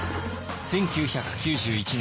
１９９１年